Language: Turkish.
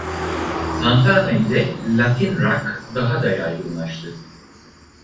Santana ile Latin Rock daha da yaygınlaştı.